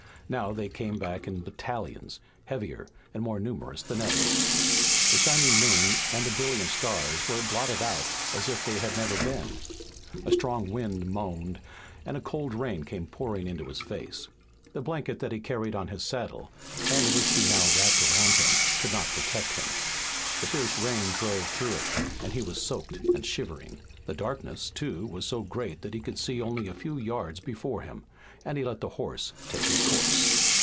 Now they came back in battalions, heavier and more numerous than ever. The shining moon and the brilliant stars were blotted out as if they had never been. A strong wind moaned and a cold rain came pouring into his face. The blanket that he carried on his saddle, and which he now wrapped around him, could not protect him. The fierce rain drove through it and he was soaked and shivering. The darkness, too, was so great that he could see only a few yards before him, and he let the horse take his course.